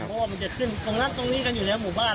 เพราะว่ามันจะจึงสร้างรักตรงนี้ของหมู่บ้าน